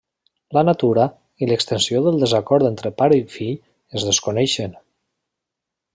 La natura i l'extensió del desacord entre pare i fill es desconeixen.